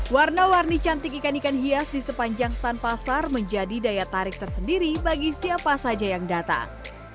warna warni cantik ikan ikan hias di sepanjang stand pasar menjadi daya tarik tersendiri bagi siapa saja yang datang